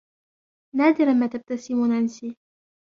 نادراً ما تبتسم نانسي.